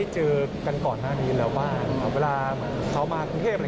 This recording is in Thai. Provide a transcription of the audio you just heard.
เจอครบคุณพ่อคุณแม่แล้วโหยาดครบเลย